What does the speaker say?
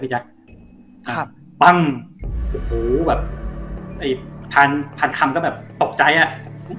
เอาบังโอ้โหแบบไอ้พันคำที่ก็แบบตกใจโอ้